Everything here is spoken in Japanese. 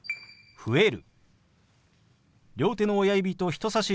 「増える」。